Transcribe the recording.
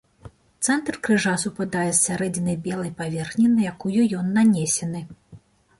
Цэнтр крыжа супадае з сярэдзінай белай паверхні на якую ён нанесены.